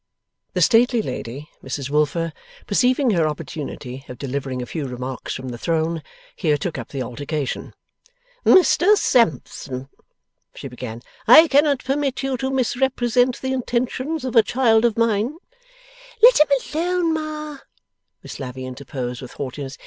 The stately lady, Mrs Wilfer, perceiving her opportunity of delivering a few remarks from the throne, here took up the altercation. 'Mr Sampson,' she began, 'I cannot permit you to misrepresent the intentions of a child of mine.' 'Let him alone, Ma,' Miss Lavvy interposed with haughtiness.